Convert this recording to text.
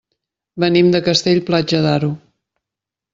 Venim de Castell-Platja d'Aro.